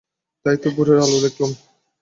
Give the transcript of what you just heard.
তাই তো ভোরের আলো দেখলুম।